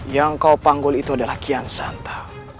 yang kau panggul itu adalah kian santang